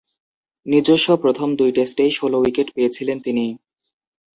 নিজস্ব প্রথম দুই টেস্টেই ষোলো উইকেট পেয়েছিলেন তিনি।